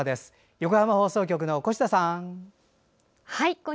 横浜放送局の越田さん。